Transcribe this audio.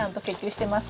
してます？